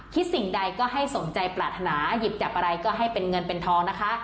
สิ่งใดก็ให้สมใจปรารถนาหยิบจับอะไรก็ให้เป็นเงินเป็นทองนะคะ